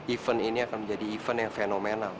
event ini akan menjadi event yang fenomenal